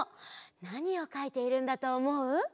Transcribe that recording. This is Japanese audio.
なにをかいているんだとおもう？